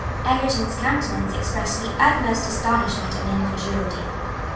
Egerton's countenance expressed the utmost astonishment and incredulity.